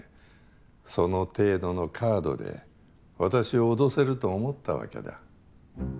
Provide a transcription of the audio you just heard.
その程度のカードで私を脅せると思ったわけだ？